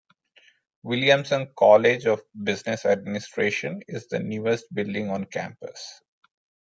Williamson College of Business Administration is the newest building on campus.